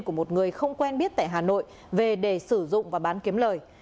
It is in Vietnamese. của một người không quen biết tại hà nội về để sử dụng và bán kiếm lời